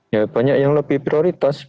ya banyak yang lebih prioritas